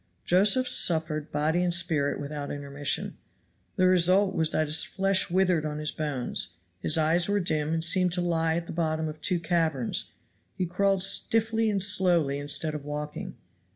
Josephs suffered body and spirit without intermission. The result was that his flesh withered on his bones; his eyes were dim and seemed to lie at the bottom of two caverns; he crawled stiffly and slowly instead of walking.